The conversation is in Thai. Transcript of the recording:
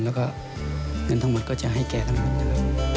แล้วก็เงินทั้งหมดก็จะให้แกทั้งหมด